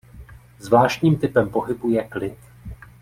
Zvláštním typem pohybu je klid.